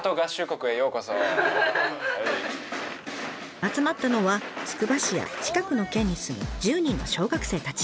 集まったのはつくば市や近くの県に住む１０人の小学生たち。